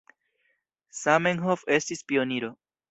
Zamenhof estis pioniro.